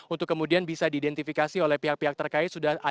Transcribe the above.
untuk kemudian bisa diidentifikasi oleh pihak pihak terkait